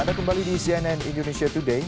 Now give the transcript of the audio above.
anda kembali di cnn indonesia today